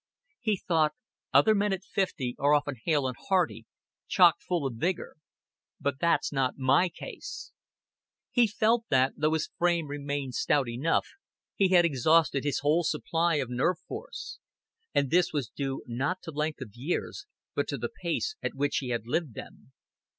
He thought: "Other men at fifty are often hale and hearty, chock full of vigor. But that's not my case." He felt that, though his frame remained stout enough, he had exhausted his whole supply of nerve force; and this was due not to length of years, but to the pace at which he had lived them.